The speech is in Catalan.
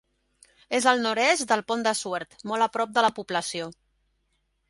És al nord-est del Pont de Suert, molt a prop de la població.